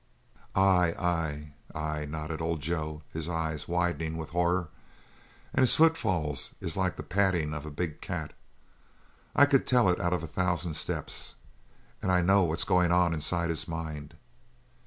"Ay, ay, ay!" nodded old Joe, his eyes widening with horror, "and his footfall is like the padding of a big cat. I could tell it out of a thousand steps. And I know what's going on inside his mind!"